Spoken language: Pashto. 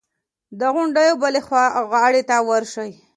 د غونډیو بلې غاړې ته ورشي.